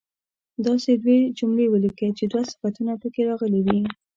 داسې دوې جملې ولیکئ چې دوه صفتونه په کې راغلي وي.